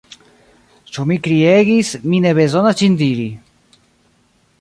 Ĉu mi kriegis, mi ne bezonas ĝin diri.